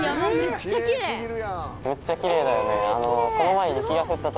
めっちゃキレイだよね。